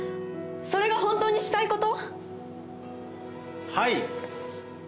それが本当にしたいこと？